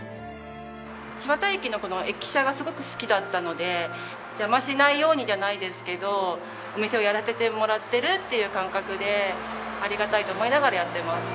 千綿駅のこの駅舎がすごく好きだったので邪魔しないようにじゃないですけどお店をやらせてもらってるっていう感覚でありがたいと思いながらやってます。